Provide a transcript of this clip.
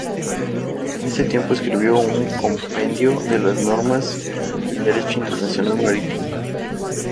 En este tiempo escribió un compendio de las normas del derecho internacional marítimo.